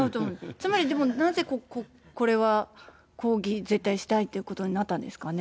つまりでも、これは抗議、絶対したいということになったんですかね。